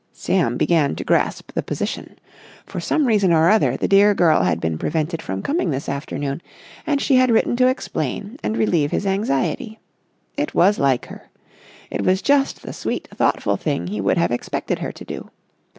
Sam began to grasp the position. For some reason or other, the dear girl had been prevented from coming this afternoon, and she had written to explain and relieve his anxiety. It was like her. It was just the sweet, thoughtful thing he would have expected her to do.